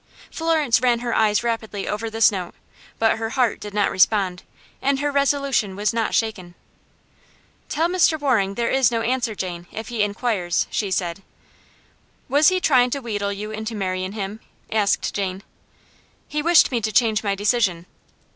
Florence ran her eyes rapidly over this note, but her heart did not respond, and her resolution was not shaken. "Tell Mr. Waring there is no answer, Jane, if he inquires," she said. "Was he tryin' to wheedle you into marryin' him?" asked Jane. "He wished me to change my decision."